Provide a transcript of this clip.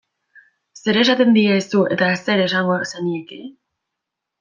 Zer esaten diezu eta zer esango zenieke?